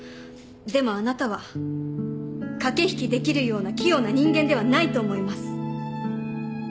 でもあなたは駆け引きできるような器用な人間ではないと思います。